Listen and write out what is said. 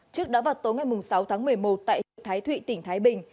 trước đó vào tối ngày sáu tháng một mươi một tại huyện thái thụy tỉnh thái bình